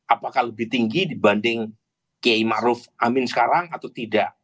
apakah lebih tinggi dibanding kiai ma ruf amin sekarang atau tidak